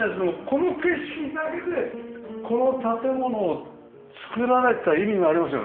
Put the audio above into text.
この景色だけでこの建物を作られた意味がありますよね。